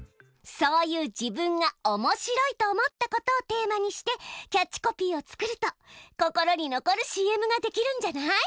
そういう自分がおもしろいと思ったことをテーマにしてキャッチコピーを作ると心に残るＣＭができるんじゃない？